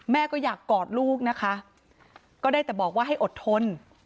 แม่ก็อยากกอดลูกนะคะก็ได้แต่บอกว่าให้อดทน